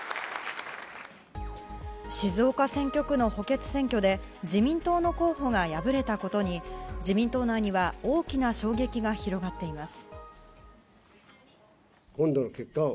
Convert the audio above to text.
静岡選挙区の補欠選挙で自民党の候補が敗れたことに自民党内には大きな衝撃が広がっています。